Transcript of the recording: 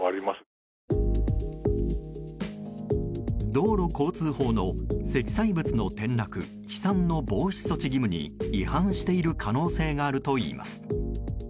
道路交通法の積載物の転落・飛散の防止措置義務に違反している可能性があるといいます。